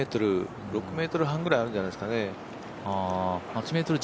６ｍ半ぐらいあるんじゃないですかね。